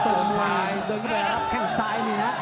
โดนแข้งซ้ายนี้นะ